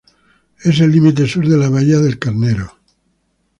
Es el límite sur de la Bahía del Carnero.